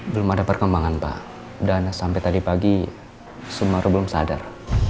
belum ada perkembangan pak dan sampai tadi pagi sumar belum sadar